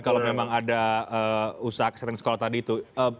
kalau memang ada usaha kesehatan sekolah tadi itu